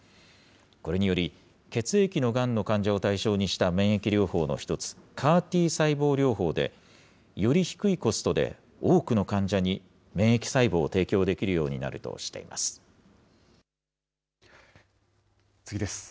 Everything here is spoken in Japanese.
これにより、血液のがんの患者を対象にした免疫療法の１つ、ＣＡＲーＴ細胞療法で、より低いコストで多くの患者に免疫細胞を提供できるようになると次です。